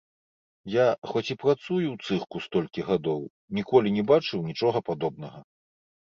Я, хоць і працую ў цырку столькі гадоў, ніколі не бачыў нічога падобнага.